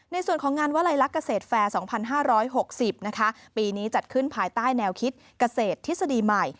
ในส่วนของงานวลัยลักษณ์เกษตรแฟร์๒๕๖๐นะคะปีนี้จัดขึ้นภายใต้แนวคิดเกษตรทฤษฎีใหม่